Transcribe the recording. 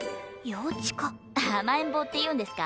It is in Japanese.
甘えん坊って言うんですか？